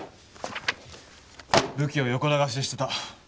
武器を横流ししてた。